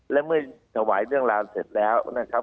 และเมื่อถวายเรื่องราวเสร็จแล้วนะครับ